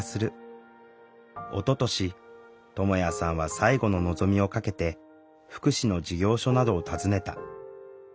おととしともやさんは最後の望みをかけて福祉の事業所などを訪ねた。